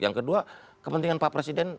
yang kedua kepentingan pak presiden